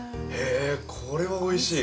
これはおいしい！